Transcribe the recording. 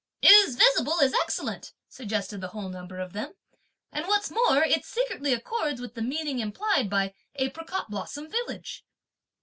"'Is visible' is excellent," suggested the whole number of them, "and what's more it secretly accords with the meaning implied by 'apricot blossom village.'"